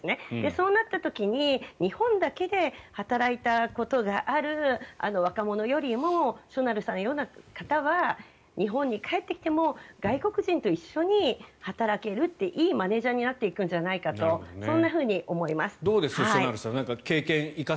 そうなった時に日本だけで働いたことがある若者よりもしょなるさんのような方は日本に帰ってきても外国人と一緒に働けるといういいマネジャーになっていくんじゃないかと思います。